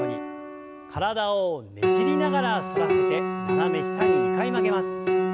体をねじりながら反らせて斜め下に２回曲げます。